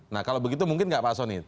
nah kalau begitu mungkin nggak pak soni